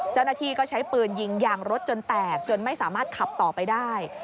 เจ้าหน้าที่ก็ใช้ปืนยิงยางรถจนแตกจนไม่สามารถขับต่อไปได้